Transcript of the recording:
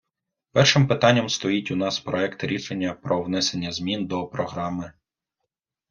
Першим питанням стоїть у нас проект рішення "Про внесення змін до Програми...